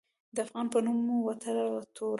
د افغان په نوم مې وتړه توره